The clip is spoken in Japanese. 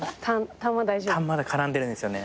たんまだ絡んでるんですよね。